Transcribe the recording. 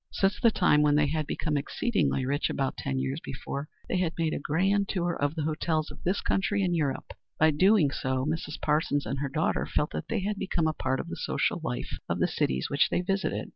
Since the time when they had become exceedingly rich, about ten years before, they had made a grand tour of the hotels of this country and Europe. By so doing Mrs. Parsons and her daughter felt that they became a part of the social life of the cities which they visited.